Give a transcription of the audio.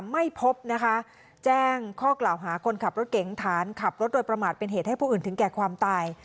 ไม่พบนะคะแจ้งข้อกล่าวหาคนขับรถเก๋งฐานขับรถโดยประมาทเป็นเหตุให้ผู้อื่นถึงแก่ความตาย